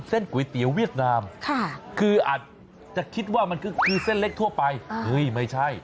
ก๋วยเตี๋ยวเวียดนามคืออาจจะคิดว่ามันก็คือเส้นเล็กทั่วไปเฮ้ยไม่ใช่